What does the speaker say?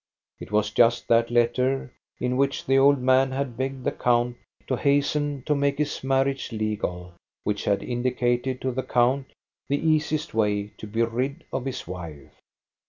It was just that letter m which the old man had begged the count to hasten to make his marriage legal, which had indicated to the count the easiest way to be rid of his wife.